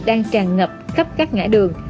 đang tràn ngập khắp các ngã đường